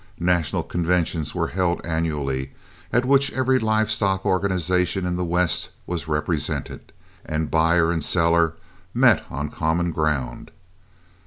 National conventions were held annually, at which every live stock organization in the West was represented, and buyer and seller met on common ground.